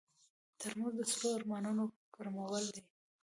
ترموز د سړو ارمانونو ګرمول دي.